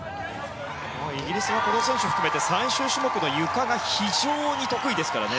イギリスはこの選手を含めて最終種目のゆかが非常に得意ですからね。